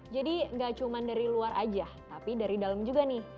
jadi tidak cuma dari luar saja tapi dari dalam juga nih